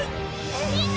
みんな！